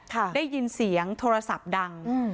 ได้ยินเสียงโทรศัพท์ดังอืม